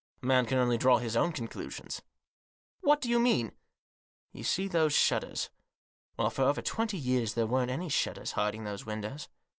A man can only draw his own conclusions." " What do you mean ?" "You see those shutters? Well, for over twenty years there weren't any shutters hiding those windows.